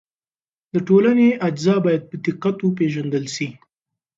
د ټولنې اجزا باید په دقت وپېژندل سي.